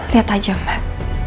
liat aja mbak